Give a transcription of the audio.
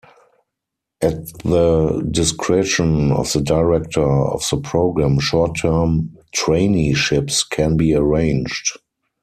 At the discretion of the director of the program, short-term traineeships can be arranged.